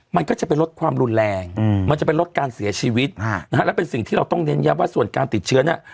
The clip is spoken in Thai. มันก็จะไปลดความรุนแรงมันจะไปลดการเสียชีวิตนะฮะแล้วเป็นสิ่งที่เราต้องเน้นย้ำว่าส่วนการติดเชื้อเนี่ย